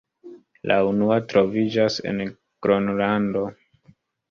La unua troviĝas en Gronlando.